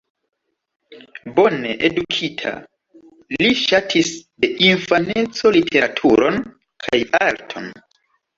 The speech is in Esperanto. Bone edukita, li ŝatis de infaneco literaturon kaj arton.